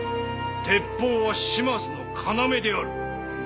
鉄砲は島津の要である。